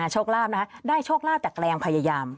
โชคลาภนะคะได้โชคลาภจากแรงพยายาม